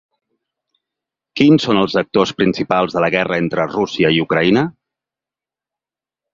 Quins són els actors principals de la guerra entre Rússia i Ucraïna?